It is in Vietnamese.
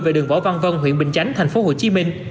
về đường võ văn vân huyện bình chánh tp hcm